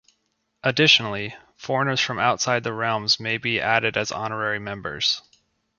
Additionally, foreigners from outside the realms may be added as honorary members.